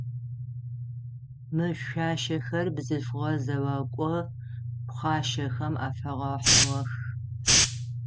Мы шъуашэхэр бзылъфыгъэ зэокӏо пхъашэхэм афэгъэхьыгъэх.